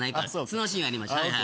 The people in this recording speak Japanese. そのシーンやりましょう。